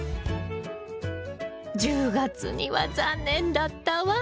１０月には残念だったわ。